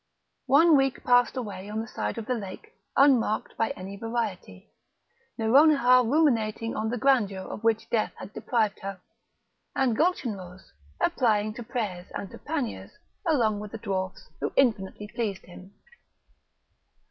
One week passed away on the side of the lake unmarked by any variety; Nouronihar ruminating on the grandeur of which death had deprived her, and Gulchenrouz applying to prayers and to panniers, along with the dwarfs, who infinitely pleased him.